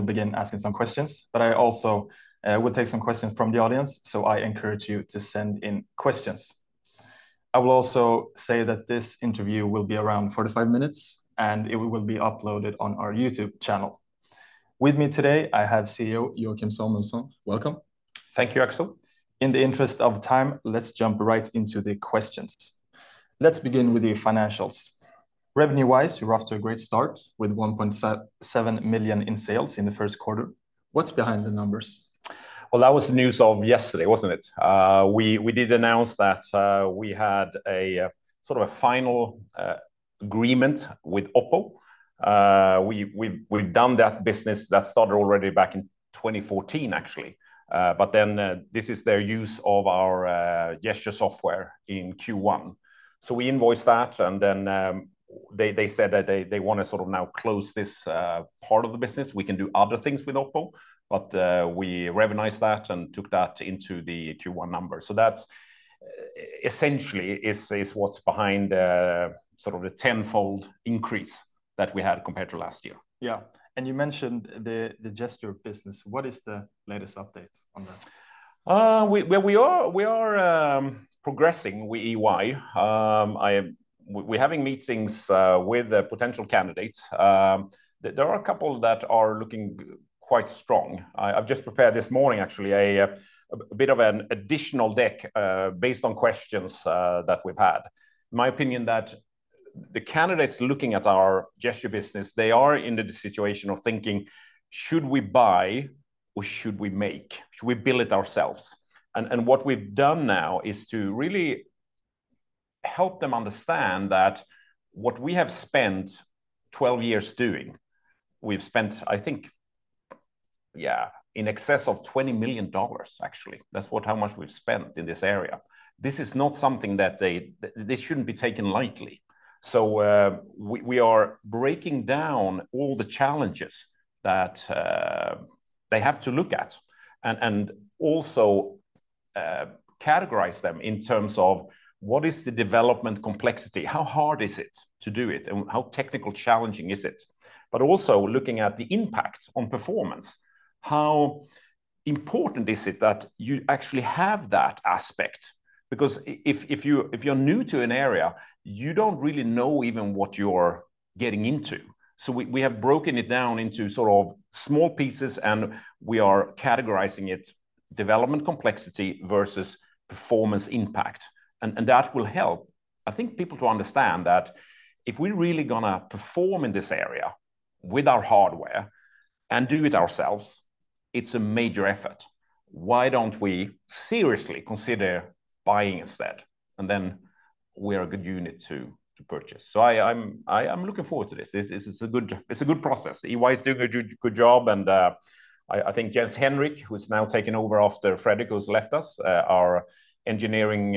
I will begin asking some questions, but I also will take some questions from the audience, so I encourage you to send in questions. I will also say that this interview will be around 45 minutes, and it will be uploaded on our YouTube channel. With me today, I have CEO Joachim Samuelsson. Welcome. Thank you, Axel. In the interest of time, let's jump right into the questions. Let's begin with the financials. Revenue-wise, you're off to a great start, with 1.7 million in sales in the first quarter. What's behind the numbers? Well, that was the news of yesterday, wasn't it? We did announce that we had a sort of a final agreement with OPPO. We've done that business that started already back in 2014, actually. But then, this is their use of our gesture software in Q1. So we invoiced that, and then, they said that they want to sort of now close this part of the business. We can do other things with OPPO, but we recognized that and took that into the Q1 number. So that's, essentially, is what's behind the sort of the tenfold increase that we had compared to last year. Yeah. And you mentioned the gesture business. What is the latest update on that? Well, we are, we are progressing with EY. We're having meetings with the potential candidates. There are a couple that are looking quite strong. I've just prepared this morning, actually, a bit of an additional deck based on questions that we've had. In my opinion, that the candidates looking at our gesture business, they are in the situation of thinking, "Should we buy, or should we make? Should we build it ourselves?" And what we've done now is to really help them understand that what we have spent 12 years doing, we've spent, I think... yeah, in excess of $20 million, actually. That's what how much we've spent in this area. This is not something that they-- this shouldn't be taken lightly. So, we are breaking down all the challenges that they have to look at, and also categorize them in terms of what is the development complexity? How hard is it to do it, and how technical challenging is it? But also looking at the impact on performance. How important is it that you actually have that aspect? Because if you're new to an area, you don't really know even what you're getting into. So we have broken it down into sort of small pieces, and we are categorizing it, development complexity versus performance impact. And that will help, I think, people to understand that if we're really gonna perform in this area with our hardware and do it ourselves, it's a major effort. Why don't we seriously consider buying instead? And then we're a good unit to purchase. So I'm looking forward to this. This is a good process. It's a good process. EY is doing a good job, and I think Jens-Henrik, who's now taken over after Fredrik, who's left us, our engineering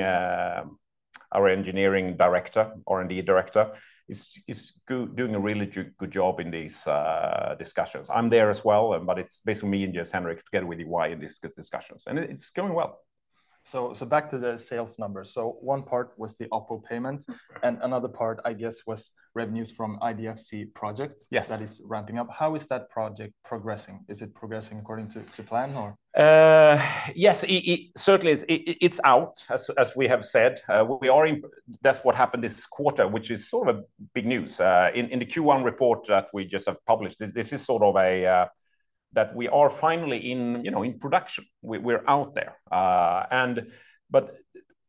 director, R&D director, is doing a really good job in these discussions. I'm there as well, but it's basically me and Jens-Henrik together with EY in these discussions. It's going well. So back to the sales numbers. One part was the OPPO payment, and another part, I guess, was revenues from IDFC project- Yes... that is ramping up. How is that project progressing? Is it progressing according to plan or? Yes, it certainly is. It's out, as we have said. We are in-- that's what happened this quarter, which is sort of big news. In the Q1 report that we just have published, this is sort of that we are finally in, you know, in production. We're out there. And but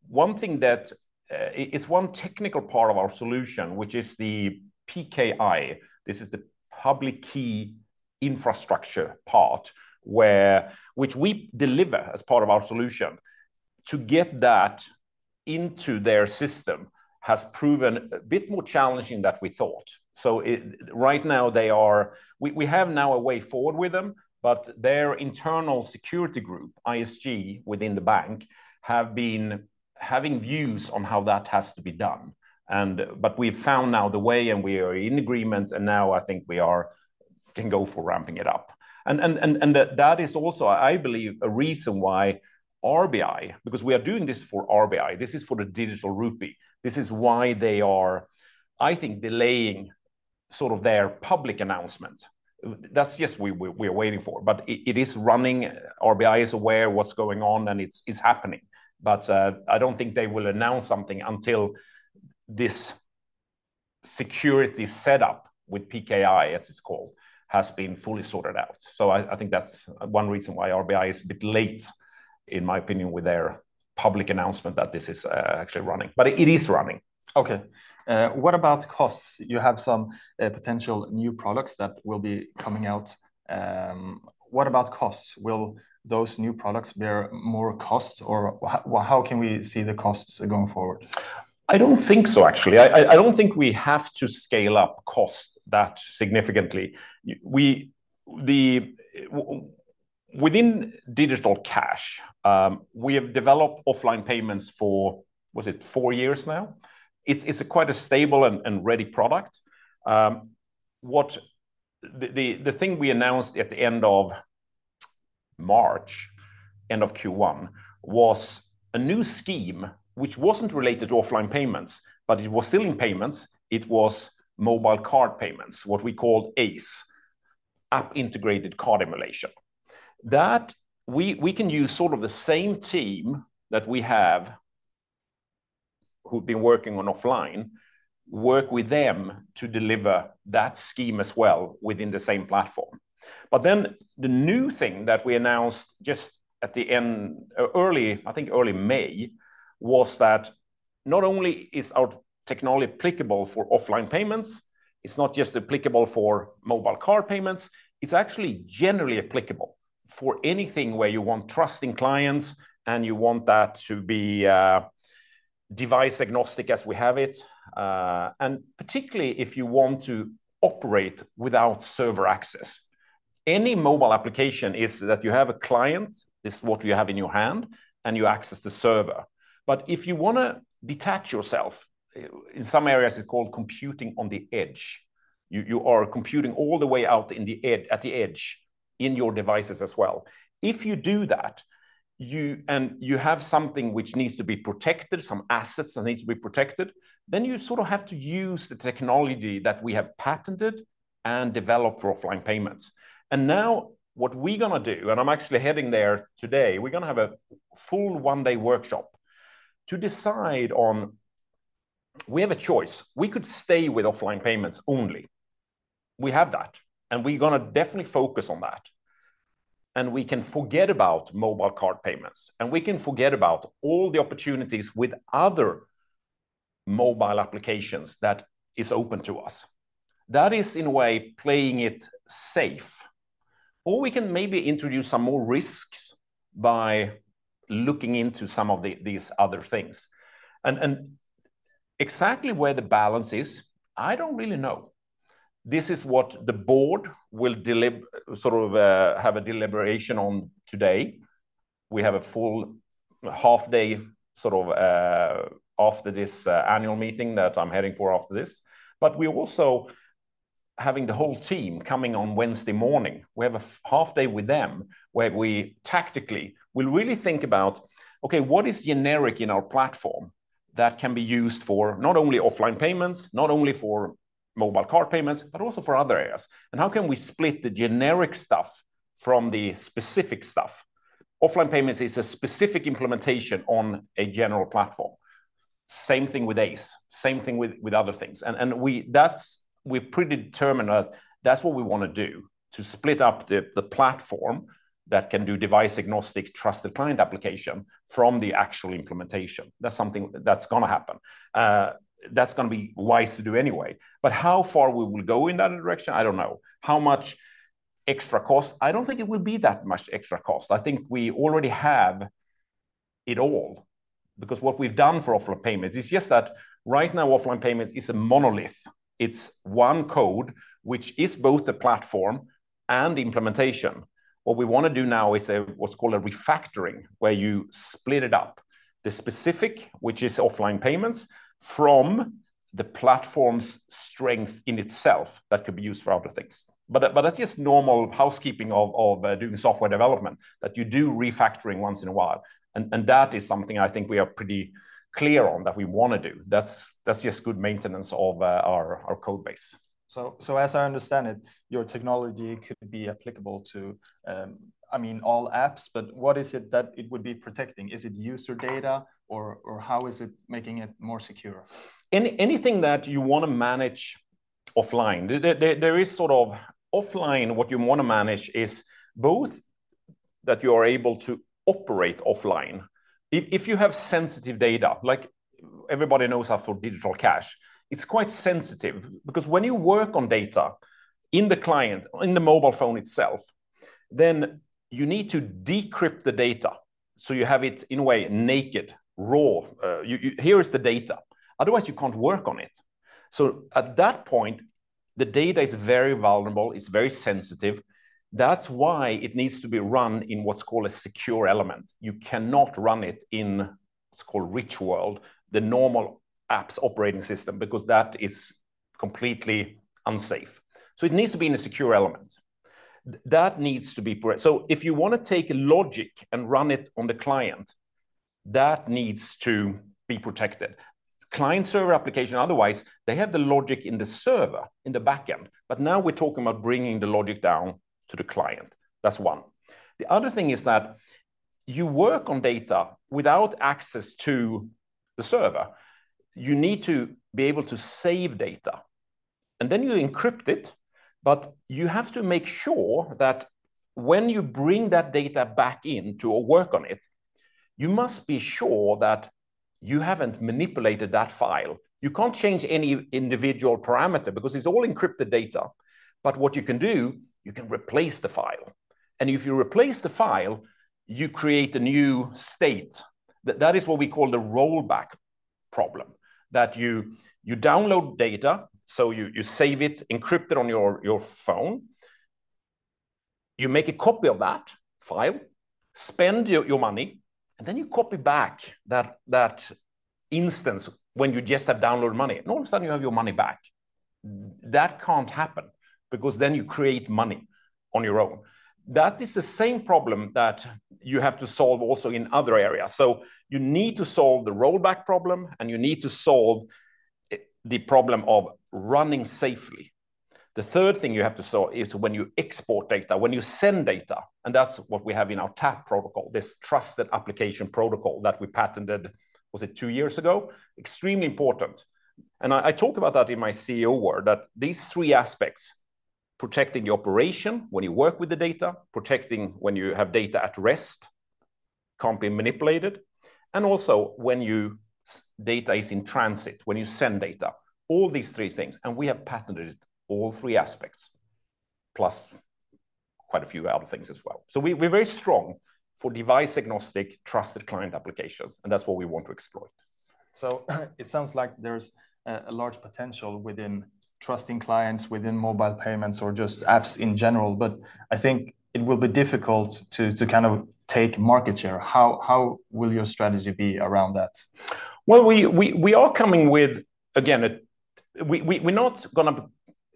one thing that is one technical part of our solution, which is the PKI, this is the public key infrastructure part, which we deliver as part of our solution. To get that into their system has proven a bit more challenging than we thought. So right now they are... We have now a way forward with them, but their internal security group, ISG, within the bank, have been having views on how that has to be done. But we've found now the way, and we are in agreement, and now I think we are, can go for ramping it up. And that is also, I believe, a reason why RBI, because we are doing this for RBI; this is for the Digital Rupee. This is why they are, I think, delaying sort of their public announcement. That's just we are waiting for, but it is running. RBI is aware what's going on, and it's happening. But I don't think they will announce something until this security setup with PKI, as it's called, has been fully sorted out. So I think that's one reason why RBI is a bit late, in my opinion, with their public announcement that this is actually running. But it is running. Okay, what about costs? You have some potential new products that will be coming out. What about costs? Will those new products bear more costs, or how can we see the costs going forward? I don't think so, actually. I don't think we have to scale up cost that significantly. Within Digital Cash, we have developed offline payments for, was it 4 years now? It's quite a stable and ready product. The thing we announced at the end of March, end of Q1, was a new scheme which wasn't related to offline payments, but it was still in payments. It was mobile card payments, what we call ACE, App-Integrated Card Emulation. That we can use sort of the same team that we have, who've been working on offline, work with them to deliver that scheme as well within the same platform. But then the new thing that we announced just at the end, early, I think early May, was that not only is our technology applicable for offline payments, it's not just applicable for mobile card payments, it's actually generally applicable for anything where you want trusted clients and you want that to be, device agnostic as we have it. And particularly if you want to operate without server access. Any mobile application is that you have a client, is what you have in your hand, and you access the server. But if you wanna detach yourself, in some areas, it's called computing on the edge. You are computing all the way out in the edge - at the edge, in your devices as well. If you do that, and you have something which needs to be protected, some assets that needs to be protected, then you sort of have to use the technology that we have patented and developed for offline payments. And now, what we're gonna do, and I'm actually heading there today, we're gonna have a full one-day workshop to decide on... We have a choice. We could stay with offline payments only. We have that, and we're gonna definitely focus on that. And we can forget about mobile card payments, and we can forget about all the opportunities with other mobile applications that is open to us. That is, in a way, playing it safe. Or we can maybe introduce some more risks by looking into some of the, these other things. And exactly where the balance is, I don't really know. This is what the board will sort of have a deliberation on today. We have a full half day, sort of, after this annual meeting that I'm heading for after this. But we're also having the whole team coming on Wednesday morning. We have a half day with them, where we tactically, we'll really think about, okay, what is generic in our platform that can be used for not only offline payments, not only for mobile card payments, but also for other areas? And how can we split the generic stuff from the specific stuff? Offline payments is a specific implementation on a general platform. Same thing with ACE, same thing with other things. And we, that's we've predetermined that that's what we wanna do, to split up the platform that can do device-agnostic, trusted client application from the actual implementation. That's something that's gonna happen. That's gonna be wise to do anyway. But how far we will go in that direction, I don't know. How much extra cost? I don't think it will be that much extra cost. I think we already have it all, because what we've done for offline payments is just that right now, offline payments is a monolith. It's one code, which is both the platform and the implementation. What we wanna do now is a, what's called a refactoring, where you split it up. The specific, which is offline payments, from the platform's strength in itself, that could be used for other things. But that, but that's just normal housekeeping of doing software development, that you do refactoring once in a while. And that is something I think we are pretty clear on that we wanna do. That's, that's just good maintenance of our code base. As I understand it, your technology could be applicable to, I mean, all apps, but what is it that it would be protecting? Is it user data, or how is it making it more secure? Anything that you wanna manage offline. There is sort of offline, what you wanna manage is both that you are able to operate offline. If you have sensitive data, like everybody knows how for Digital Cash, it's quite sensitive, because when you work on data in the client, in the mobile phone itself, then you need to decrypt the data, so you have it, in a way, naked, raw. Here is the data. Otherwise, you can't work on it. So at that point, the data is very vulnerable, it's very sensitive. That's why it needs to be run in what's called a Secure Element. You cannot run it in, what's called, Rich World, the normal app's operating system, because that is completely unsafe. So it needs to be in a Secure Element. That needs to be protected. So if you wanna take logic and run it on the client, that needs to be protected. Client-server application, otherwise, they have the logic in the server, in the back end. But now we're talking about bringing the logic down to the client. That's one. The other thing is that you work on data without access to the server. You need to be able to save data, and then you encrypt it, but you have to make sure that when you bring that data back in to work on it, you must be sure that you haven't manipulated that file. You can't change any individual parameter, because it's all encrypted data. But what you can do, you can replace the file. And if you replace the file, you create a new state. That is what we call the rollback problem, that you download data, so you save it, encrypt it on your phone. You make a copy of that file, spend your money, and then you copy back that instance when you just have downloaded money, and all of a sudden you have your money back. That can't happen, because then you create money on your own. That is the same problem that you have to solve also in other areas. So you need to solve the rollback problem, and you need to solve the problem of running safely. The third thing you have to solve is when you export data, when you send data, and that's what we have in our TAP protocol, this trusted application protocol that we patented, was it two years ago? Extremely important. I talk about that in my CEO award, that these three aspects, protecting your operation when you work with the data, protecting when you have data at rest, can't be manipulated, and also when data is in transit, when you send data. All these three things, and we have patented all three aspects, plus quite a few other things as well. So we're very strong for device-agnostic, trusted client applications, and that's what we want to exploit. So it sounds like there's a large potential within trusted clients, within mobile payments, or just apps in general, but I think it will be difficult to kind of take market share. How will your strategy be around that? Well, we are coming with... Again, we're not gonna-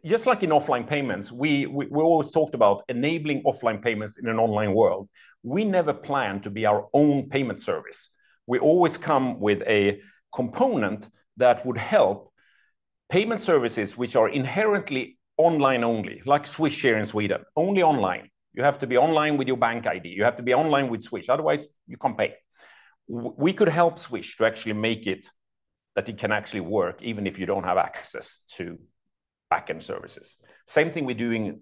just like in offline payments, we always talked about enabling offline payments in an online world. We never plan to be our own payment service. We always come with a component that would help payment services which are inherently online only, like Swish here in Sweden, only online. You have to be online with your bank ID. You have to be online with Swish, otherwise, you can't pay. We could help Swish to actually make it that it can actually work, even if you don't have access to back-end services. Same thing we're doing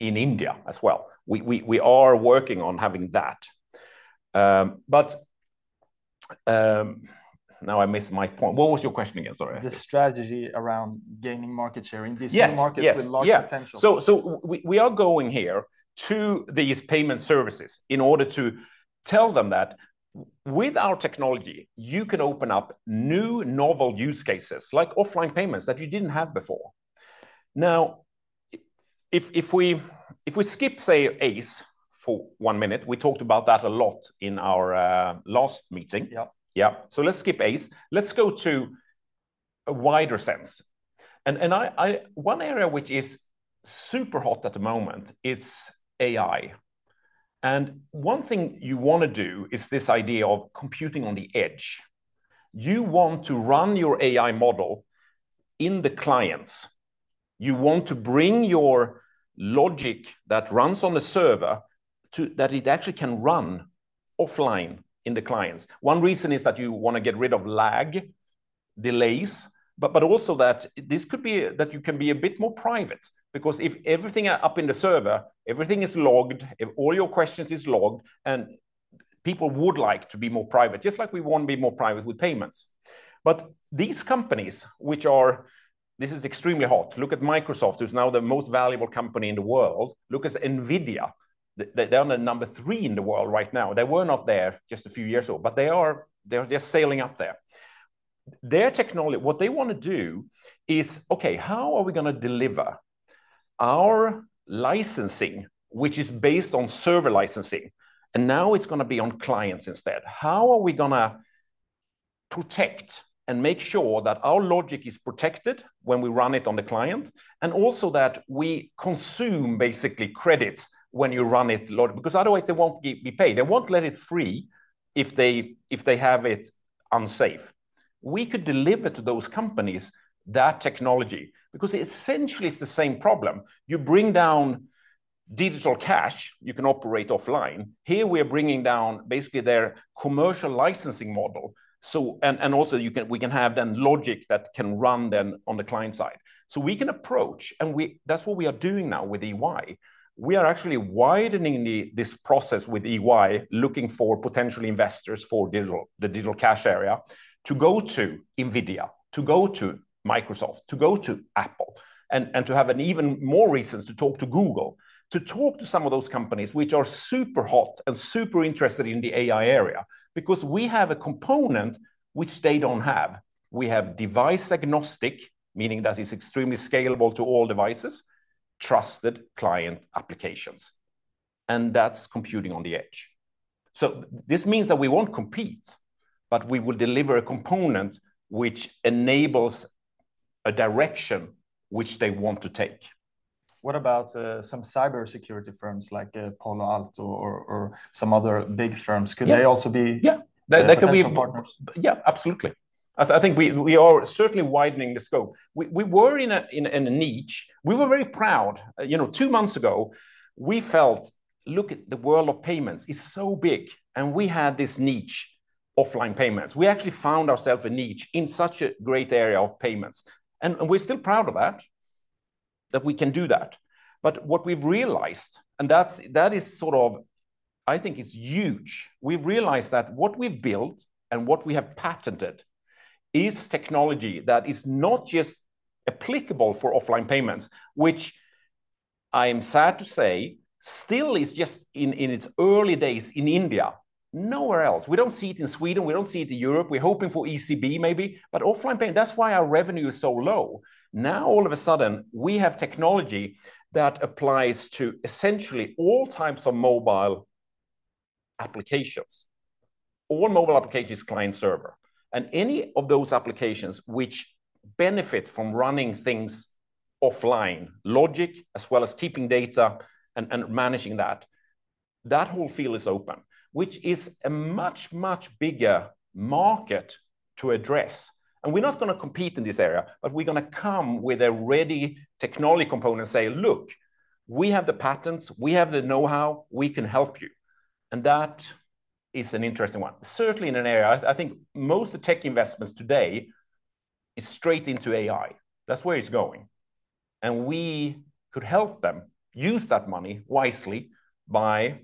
in India as well. We are working on having that. But now I missed my point. What was your question again? Sorry. The strategy around gaining market share in these- Yes, yes... new markets with large potential. Yeah. So we are going here to these payment services in order to tell them that with our technology, you can open up new novel use cases, like offline payments, that you didn't have before. Now, if we skip, say, ACE, for one minute, we talked about that a lot in our last meeting. Yeah. Yeah. So let's skip ACE. Let's go to a wider sense, and I - one area which is super hot at the moment is AI, and one thing you wanna do is this idea of computing on the edge. You want to run your AI model in the clients. You want to bring your logic that runs on a server to, that it actually can run offline in the clients. One reason is that you wanna get rid of lag, delays, but also that this could be - that you can be a bit more private, because if everything are up in the server, everything is logged, if all your questions is logged, and people would like to be more private, just like we want to be more private with payments. But these companies which are... This is extremely hot. Look at Microsoft, who's now the most valuable company in the world. Look at NVIDIA. They are the number 3 in the world right now. They were not there just a few years ago, but they're just sailing up there. Their technology. What they wanna do is, "Okay, how are we gonna deliver our licensing, which is based on server licensing, and now it's gonna be on clients instead? How are we gonna protect and make sure that our logic is protected when we run it on the client, and also that we consume, basically, credits when you run it a lot?" Because otherwise, they won't be paid. They won't let it free if they have it unsafe. We could deliver to those companies that technology, because essentially, it's the same problem. You bring down Digital Cash, you can operate offline. Here, we are bringing down basically their commercial licensing model, so and also, you can, we can have then logic that can run then on the client side. So we can approach, and we-- That's what we are doing now with EY. We are actually widening the, this process with EY, looking for potential investors for digital, the Digital Cash area, to go to NVIDIA, to go to Microsoft, to go to Apple, and to have an even more reasons to talk to Google, to talk to some of those companies which are super hot and super interested in the AI area, because we have a component which they don't have. We have device-agnostic, meaning that it's extremely scalable to all devices, trusted client applications, and that's computing on the edge. So this means that we won't compete, but we will deliver a component which enables a direction which they want to take. What about some cybersecurity firms like Palo Alto or some other big firms? Yeah. Could they also be- Yeah, they can be- Potential partners? Yeah, absolutely. I think we are certainly widening the scope. We were in a niche. We were very proud. You know, two months ago, we felt, "Look at the world of payments. It's so big," and we had this niche, offline payments. We actually found ourselves a niche in such a great area of payments, and we're still proud of that, that we can do that. But what we've realized, and that is sort of... I think it's huge. We've realized that what we've built and what we have patented is technology that is not just applicable for offline payments, which I am sad to say, still is just in its early days in India... nowhere else. We don't see it in Sweden, we don't see it in Europe. We're hoping for ECB maybe, but offline paying, that's why our revenue is so low. Now, all of a sudden, we have technology that applies to essentially all types of mobile applications. All mobile applications, client server, and any of those applications which benefit from running things offline, logic, as well as keeping data and, and managing that, that whole field is open, which is a much, much bigger market to address. And we're not going to compete in this area, but we're going to come with a ready technology component and say, "Look, we have the patents, we have the know-how, we can help you." And that is an interesting one. Certainly, in an area, I, I think most of the tech investments today is straight into AI. That's where it's going, and we could help them use that money wisely by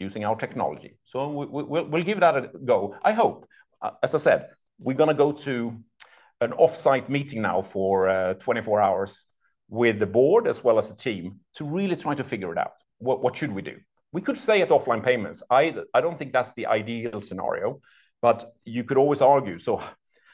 using our technology. So we'll give that a go, I hope. As I said, we're going to go to an off-site meeting now for 24 hours with the board, as well as the team, to really try to figure it out. What should we do? We could stay at offline payments. I don't think that's the ideal scenario, but you could always argue, "So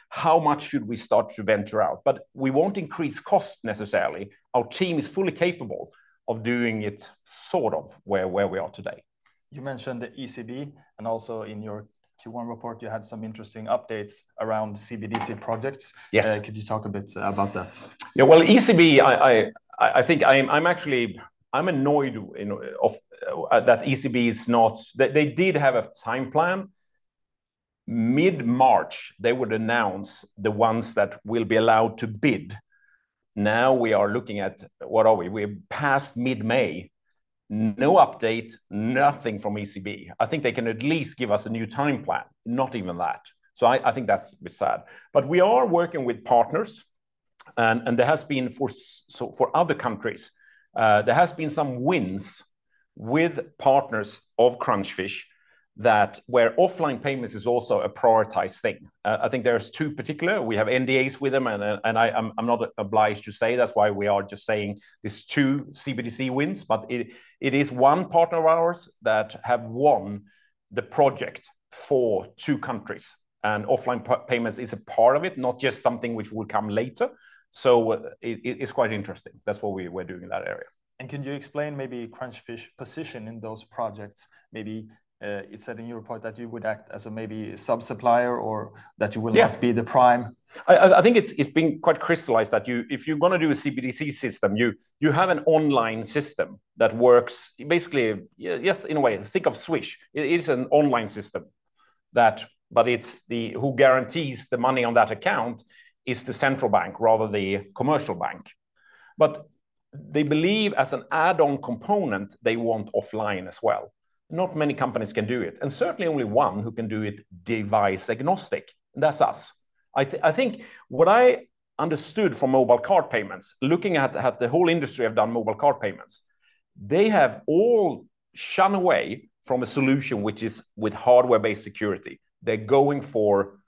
how much should we start to venture out?" But we won't increase cost necessarily. Our team is fully capable of doing it sort of where we are today. You mentioned the ECB, and also in your Q1 report, you had some interesting updates around CBDC projects. Yes. Could you talk a bit about that? Yeah, well, ECB, I think—I'm actually, I'm annoyed, you know, of that ECB is not— They did have a time plan. Mid-March, they would announce the ones that will be allowed to bid. Now, we are looking at... What are we? We're past mid-May, no update, nothing from ECB. I think they can at least give us a new time plan, not even that. So I think that's a bit sad. But we are working with partners, and there has been— so for other countries, there has been some wins with partners of Crunchfish that where offline payments is also a prioritized thing. I think there's two particular. We have NDAs with them, and I, I'm not obliged to say. That's why we are just saying there's two CBDC wins, but it is one partner of ours that have won the project for two countries, and offline payments is a part of it, not just something which will come later. So it's quite interesting. That's what we're doing in that area. Could you explain maybe Crunchfish's position in those projects? Maybe, it said in your report that you would act as a maybe sub-supplier or that you will- Yeah... not be the prime. I think it's been quite crystallized that you—if you're going to do a CBDC system, you have an online system that works, basically. Yes, in a way. Think of Swish. It is an online system that—but it's the—who guarantees the money on that account is the central bank, rather than the commercial bank. But they believe, as an add-on component, they want offline as well. Not many companies can do it, and certainly only one who can do it device-agnostic, and that's us. I think what I understood from mobile card payments, looking at the whole industry have done mobile card payments, they have all shunned away from a solution, which is with hardware-based security. They're going for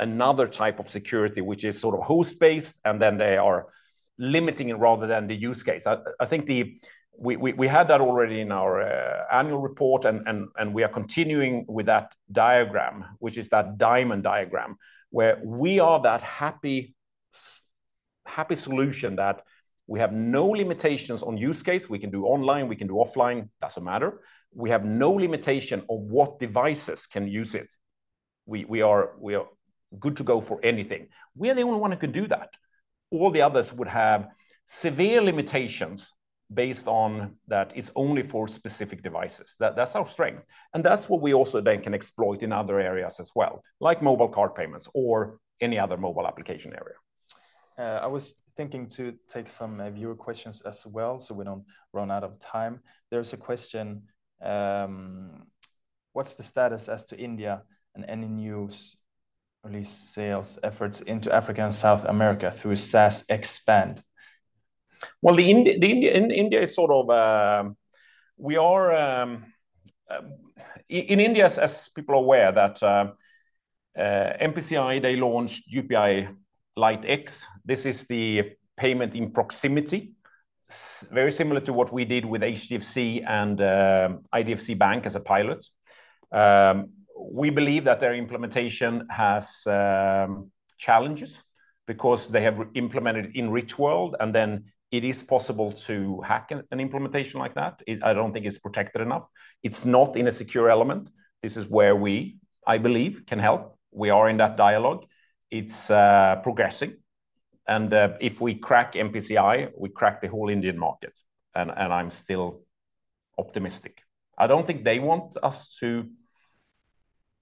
another type of security, which is sort of host-based, and then they are limiting it rather than the use case. I think the... We had that already in our annual report, and we are continuing with that diagram, which is that diamond diagram, where we are that happy solution that we have no limitations on use case. We can do online, we can do offline, doesn't matter. We have no limitation on what devices can use it. We are good to go for anything. We are the only one who can do that. All the others would have severe limitations based on that it's only for specific devices. That's our strength, and that's what we also then can exploit in other areas as well, like mobile card payments or any other mobile application area. I was thinking to take some viewer questions as well, so we don't run out of time. There's a question: What's the status as to India and any new release sales efforts into Africa and South America through SaaS Expand? Well, India is sort of... We are in India, as people are aware that NPCI, they launched UPI Lite X. This is the payment in proximity, very similar to what we did with HDFC and IDFC Bank as a pilot. We believe that their implementation has challenges because they have implemented in Rich World, and then it is possible to hack an implementation like that. I don't think it's protected enough. It's not in a secure element. This is where we, I believe, can help. We are in that dialogue. It's progressing, and if we crack NPCI, we crack the whole Indian market, and I'm still optimistic. I don't think they want us to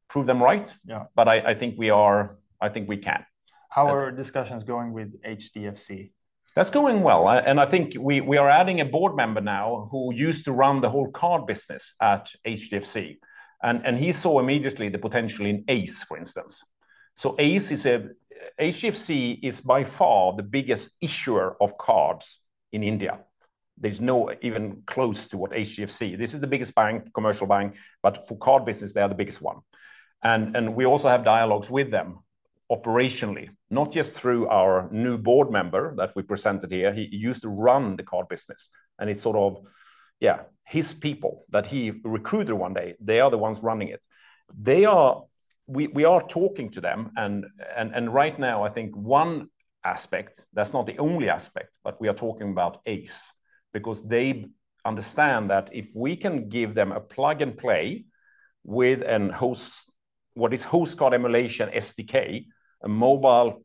prove them right- Yeah... but I think we are-- I think we can. How are discussions going with HDFC? That's going well, and I think we are adding a board member now who used to run the whole card business at HDFC, and he saw immediately the potential in ACE, for instance. So ACE is, HDFC is by far the biggest issuer of cards in India. There's no one even close to what HDFC... This is the biggest bank, commercial bank, but for card business, they are the biggest one. We also have dialogues with them operationally, not just through our new board member that we presented here. He used to run the card business, and it's sort of, yeah, his people that he recruited one day, they are the ones running it. They are. We are talking to them, and right now, I think one aspect, that's not the only aspect, but we are talking about ACE. Because they understand that if we can give them a plug-and-play with a host card emulation SDK, a mobile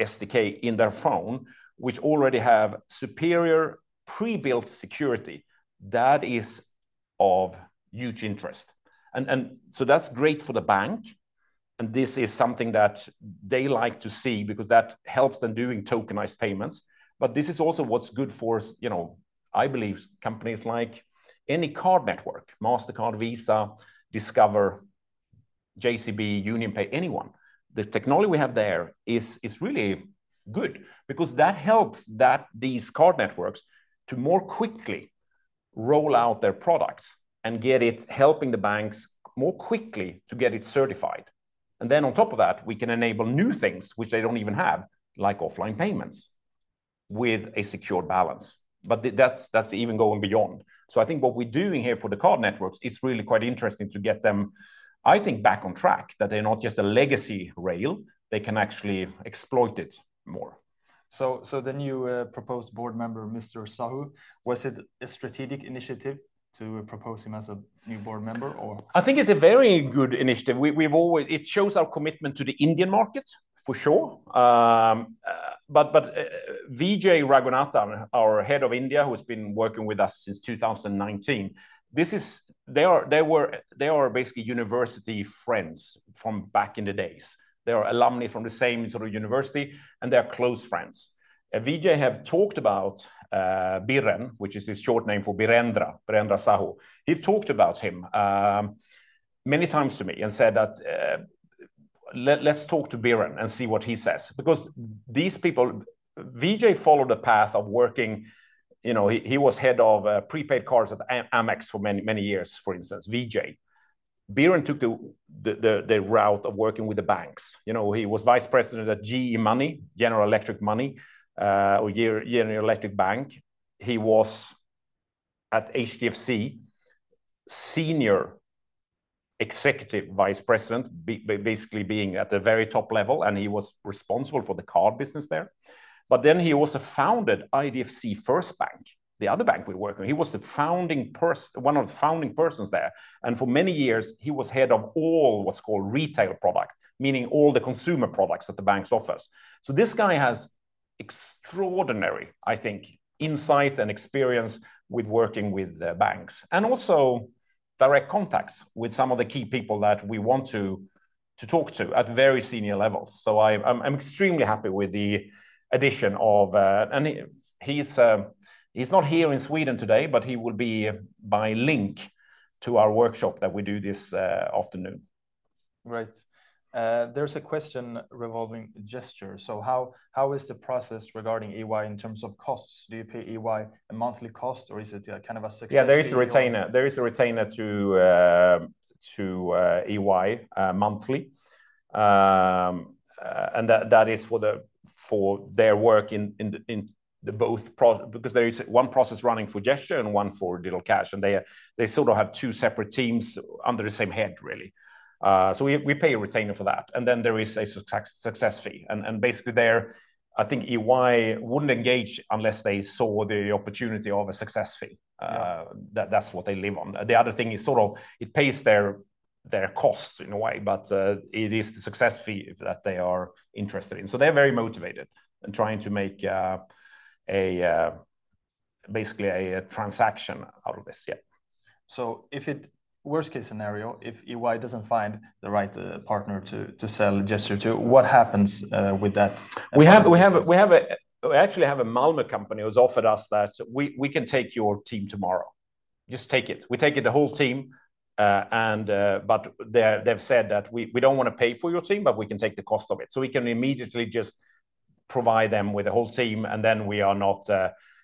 SDK in their phone, which already have superior pre-built security, that is of huge interest. And so that's great for the bank, and this is something that they like to see because that helps them doing tokenized payments. But this is also what's good for, you know, I believe, companies like any card network, Mastercard, Visa, Discover, JCB, UnionPay, anyone. The technology we have there is really good because that helps these card networks to more quickly roll out their products and get it helping the banks more quickly to get it certified. And then on top of that, we can enable new things, which they don't even have, like offline payments with a secured balance. But that's even going beyond. So, I think what we're doing here for the card networks is really quite interesting to get them, I think, back on track, that they're not just a legacy rail. They can actually exploit it more. So, the new proposed board member, Mr. Sahu, was it a strategic initiative to propose him as a new board member, or? I think it's a very good initiative. We've always. It shows our commitment to the Indian market, for sure. But Vijay Raghunathan, our Head of India, who's been working with us since 2019, this is. They are basically university friends from back in the days. They are alumni from the same sort of university, and they are close friends. Vijay have talked about Biren, which is his short name for Birendra, Birendra Sahu. He's talked about him many times to me and said that, "Let's talk to Biren and see what he says." Because these people. Vijay followed a path of working. You know, he was head of prepaid cards at Amex for many, many years, for instance, Vijay. Biren took the route of working with the banks. You know, he was Vice President at GE Money, General Electric Money, or General Electric Bank. He was at HDFC, Senior Executive Vice President, basically being at the very top level, and he was responsible for the card business there. But then he also founded IDFC FIRST Bank, the other bank we work with. He was the founding, one of the founding persons there, and for many years, he was head of all what's called retail product, meaning all the consumer products that the bank offers. So this guy has extraordinary, I think, insight and experience with working with the banks, and also direct contacts with some of the key people that we want to talk to at very senior levels. So I, I'm, I'm extremely happy with the addition of... He's not here in Sweden today, but he will be by link to our workshop that we do this afternoon. Right. There's a question regarding Gesture. "So how, how is the process regarding EY in terms of costs? Do you pay EY a monthly cost, or is it a, kind of, a success fee? Yeah, there is a retainer. There is a retainer to EY monthly. And that is for their work in the both pro-- Because there is one process running through Gesture and one for Digital Cash, and they sort of have two separate teams under the same head, really. So we pay a retainer for that, and then there is a success fee. Basically, there, I think EY wouldn't engage unless they saw the opportunity of a success fee. Yeah. That, that's what they live on. The other thing is, sort of, it pays their costs in a way, but it is the success fee that they are interested in. So they're very motivated in trying to make basically a transaction out of this, yeah. So if worst-case scenario, if EY doesn't find the right partner to sell Gesture to, what happens with that? We actually have a Malmö company who has offered us that, "We can take your team tomorrow. Just take it. We take it the whole team," and but they've said that, "We don't want to pay for your team, but we can take the cost of it." So we can immediately just provide them with a whole team, and then we are not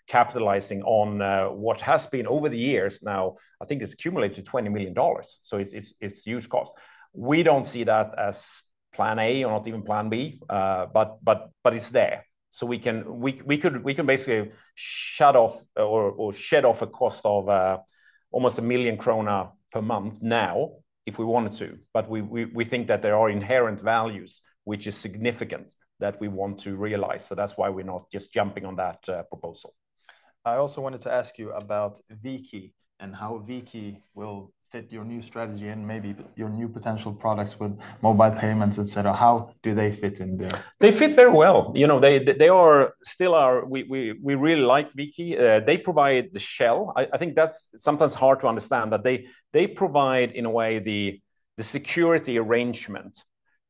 capitalizing on what has been over the years now. I think it's accumulated $20 million, so it's huge cost. We don't see that as plan A or not even plan B, but it's there. So we can we could we can basically shut off or shed off a cost of almost 1 million krona per month now, if we wanted to. We think that there are inherent values, which is significant, that we want to realize. That's why we're not just jumping on that proposal. I also wanted to ask you about V-Key and how V-Key will fit your new strategy and maybe your new potential products with mobile payments, et cetera. How do they fit in there? They fit very well. You know, they are still. We really like V-Key. They provide the shell. I think that's sometimes hard to understand, but they provide, in a way, the security arrangement,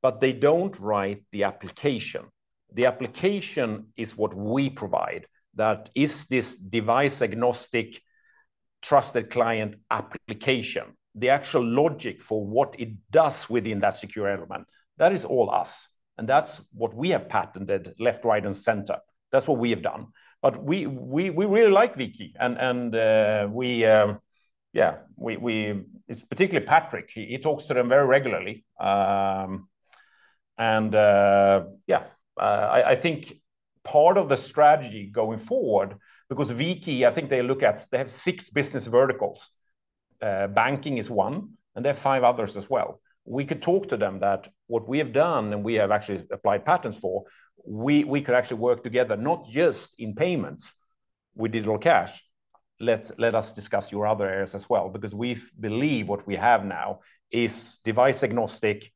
but they don't write the application. The application is what we provide. That is this device-agnostic, trusted client application. The actual logic for what it does within that secure element, that is all us, and that's what we have patented left, right, and center. That's what we have done. But we really like V-Key, and we. Yeah, we. It's particularly Patrik. He talks to them very regularly. And yeah, I think part of the strategy going forward, because V-Key, I think they look at. They have six business verticals. Banking is one, and there are five others as well. We could talk to them that what we have done, and we have actually applied patents for, we could actually work together, not just in payments with Digital Cash. Let us discuss your other areas as well, because we believe what we have now is device-agnostic,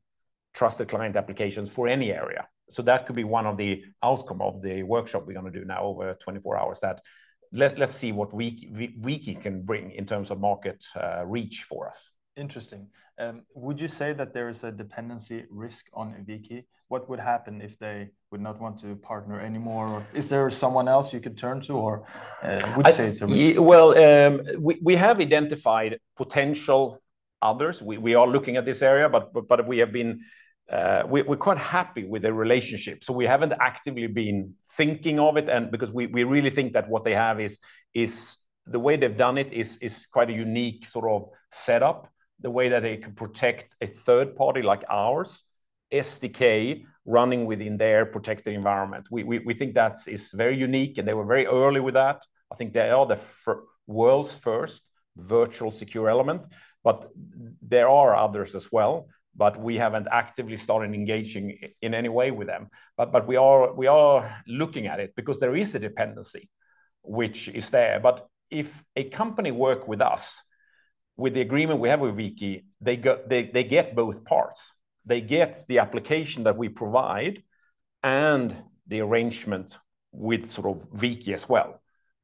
trusted client applications for any area. So that could be one of the outcome of the workshop we're going to do now over 24 hours, let's see what V-Key can bring in terms of market reach for us. Interesting. Would you say that there is a dependency risk on V-Key? What would happen if they would not want to partner anymore? Is there someone else you could turn to, or would say it's a risk? Well, we have identified potential others. We are looking at this area, but we have been. We're quite happy with the relationship, so we haven't actively been thinking of it, and because we really think that what they have is... The way they've done it is quite a unique sort of setup. The way that they can protect a third party like ours, SDK, running within their protected environment. We think that is very unique, and they were very early with that. I think they are the world's first Virtual Secure Element, but there are others as well, but we haven't actively started engaging in any way with them. But we are looking at it, because there is a dependency which is there. But if a company work with us, with the agreement we have with V-Key, they get both parts. They get the application that we provide and the arrangement with sort of V-Key as well.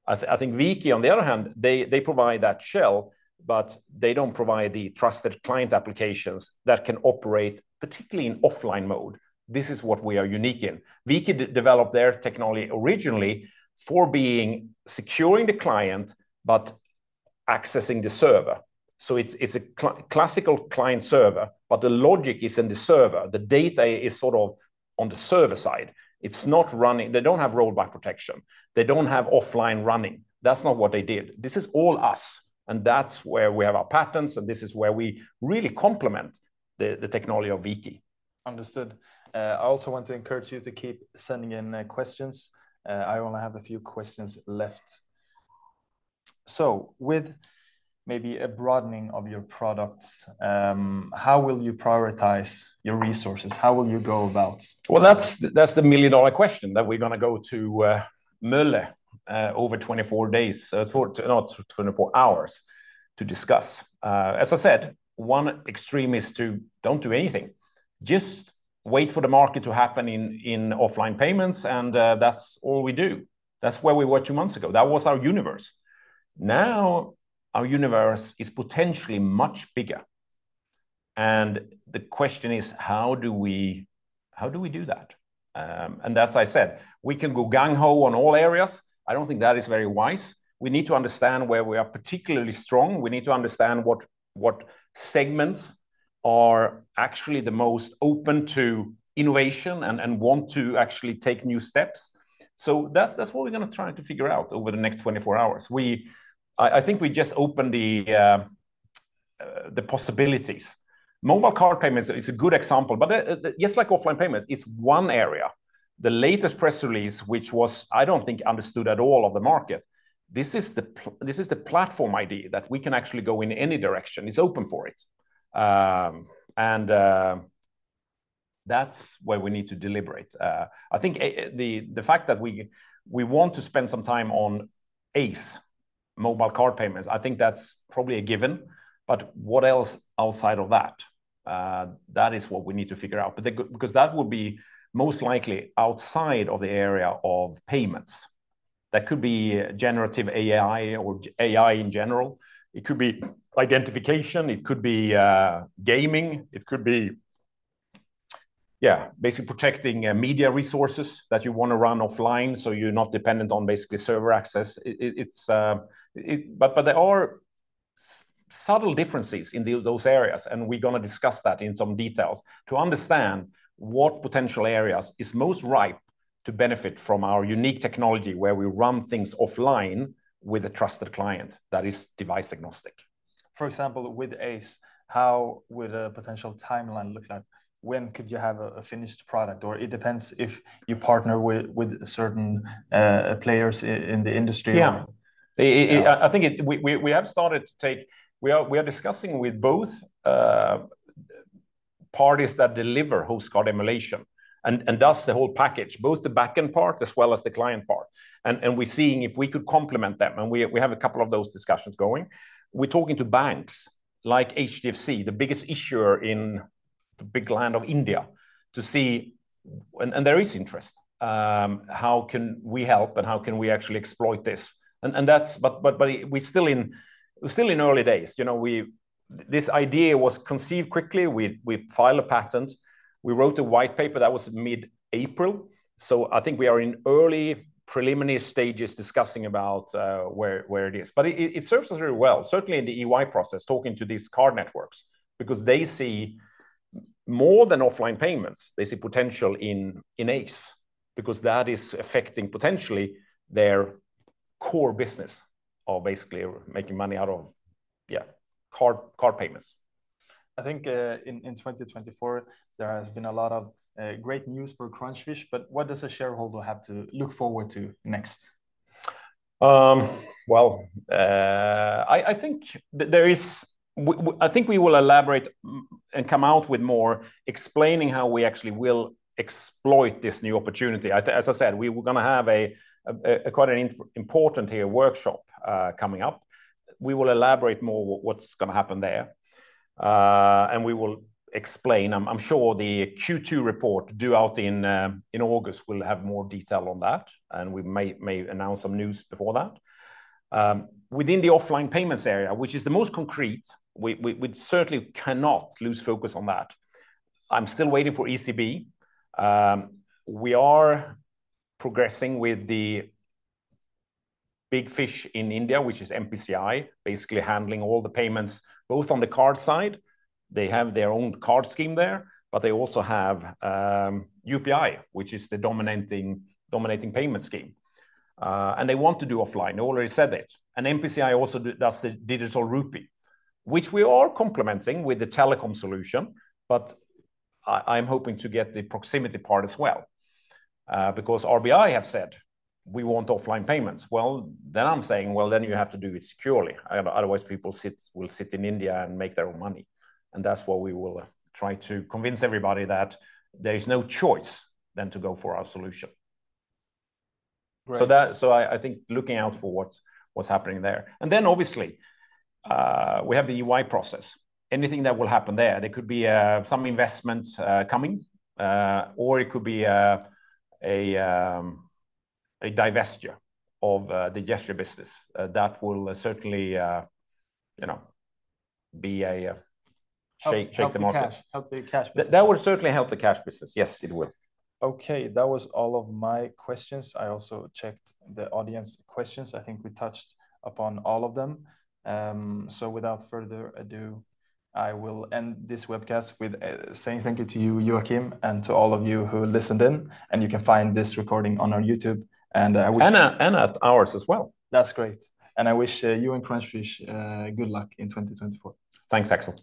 I think V-Key, on the other hand, they provide that shell, but they don't provide the trusted client applications that can operate, particularly in offline mode. This is what we are unique in. V-Key developed their technology originally for being securing the client but accessing the server. So it's a classical client server, but the logic is in the server. The data is sort of on the server side. It's not running. They don't have rollback protection. They don't have offline running. That's not what they did. This is all us, and that's where we have our patents, and this is where we really complement the technology of V-Key. Understood. I also want to encourage you to keep sending in questions. I only have a few questions left. So with maybe a broadening of your products, how will you prioritize your resources? How will you go about- Well, that's, that's the million-dollar question that we're going to go to, Mölle, over 24 days, for 24 hours to discuss. As I said, one extreme is to don't do anything. Just wait for the market to happen in, in offline payments, and, that's all we do. That's where we were two months ago. That was our universe. Now, our universe is potentially much bigger, and the question is: how do we, how do we do that? And as I said, we can go gung ho on all areas. I don't think that is very wise. We need to understand where we are particularly strong. We need to understand what, what segments are actually the most open to innovation and, and want to actually take new steps. So that's, that's what we're going to try to figure out over the next 24 hours. I think we just opened the possibilities. Mobile card payments is a good example, but just like offline payments, it's one area. The latest press release, which was, I don't think, understood at all of the market, this is the platform idea, that we can actually go in any direction. It's open for it. And that's where we need to deliberate. I think the fact that we want to spend some time on ACE mobile card payments, I think that's probably a given. But what else outside of that? That is what we need to figure out. But because that would be most likely outside of the area of payments. That could be generative AI or AI in general. It could be identification, it could be gaming, it could be, yeah, basically protecting media resources that you want to run offline, so you're not dependent on basically server access. But there are subtle differences in those areas, and we're going to discuss that in some details to understand what potential areas is most ripe to benefit from our unique technology, where we run things offline with a trusted client that is device-agnostic. For example, with ACE, how would a potential timeline look like? When could you have a finished product, or it depends if you partner with certain players in the industry? Yeah. Yeah. I think we are discussing with both parties that deliver Host Card Emulation, and thus the whole package, both the back-end part as well as the client part. And we're seeing if we could complement them, and we have a couple of those discussions going. We're talking to banks, like HDFC, the biggest issuer in India, to see—and there is interest. How can we help, and how can we actually exploit this? But we're still in early days. You know, this idea was conceived quickly. We filed a patent. We wrote a white paper. That was mid-April. So I think we are in early, preliminary stages discussing about where it is. But it serves us very well, certainly in the EY process, talking to these card networks, because they see more than offline payments. They see potential in ACE, because that is affecting potentially their core business of basically making money out of, yeah, card payments. I think, in 2024, there has been a lot of great news for Crunchfish, but what does a shareholder have to look forward to next? Well, I think we will elaborate and come out with more explaining how we actually will exploit this new opportunity. As I said, we were gonna have a quite an important here workshop coming up. We will elaborate more what's gonna happen there. And we will explain, I'm sure the Q2 report due out in August will have more detail on that, and we may announce some news before that. Within the offline payments area, which is the most concrete, we certainly cannot lose focus on that. I'm still waiting for ECB. We are progressing with the big fish in India, which is NPCI, basically handling all the payments, both on the card side. They have their own card scheme there, but they also have UPI, which is the dominating payment scheme. And they want to do offline. They already said it. And NPCI also does the Digital Rupee, which we are complementing with the telecom solution, but I'm hoping to get the proximity part as well. Because RBI have said, "We want offline payments." Well, then I'm saying, "Well, then you have to do it securely, otherwise, people will sit in India and make their own money." And that's what we will try to convince everybody, that there is no choice than to go for our solution. Great. So I think looking out for what's happening there. And then, obviously, we have the EY process. Anything that will happen there could be some investments coming, or it could be a divestiture of the gesture business. That will certainly, you know, be a shake- Help the cash-... shake the market. Help the cash business. That, that would certainly help the cash business. Yes, it will. Okay, that was all of my questions. I also checked the audience questions. I think we touched upon all of them. So without further ado, I will end this webcast with saying thank you to you, Joachim, and to all of you who listened in, and you can find this recording on our YouTube, and I wish- And at ours as well. That's great. I wish you and Crunchfish good luck in 2024. Thanks, Axel.